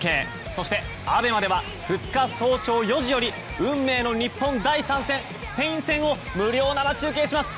そして、ＡＢＥＭＡでは２日早朝４時より運命の日本第３戦スペイン戦を無料生中継します。